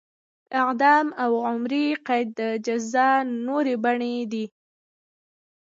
اعدام او عمري قید د جزا نورې بڼې دي.